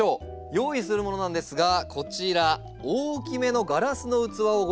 用意するものなんですがこちら大きめのガラスの器をご用意ください。